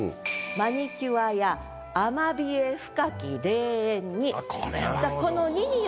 「マニキュアや雨冷深き霊園に」。